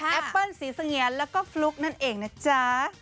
แอปเปิ้ลศรีสงญานแล้วก็ฟลุ๊กนั่นเองนะจ๊ะ